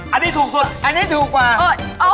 อันนี้ถูกสุดอันนี้ถูกกว่า